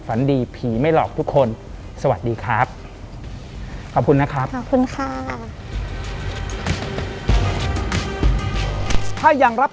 ฝันดีผีไม่หลอกทุกคนสวัสดีครับ